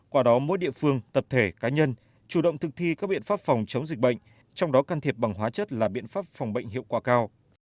qua đó mỗi địa phương tập thể cá nhân chủ động thực thi các biện pháp phòng chống dịch bệnh trong đó can thiệp bằng hóa chất là biện pháp phòng bệnh hiệu quả cao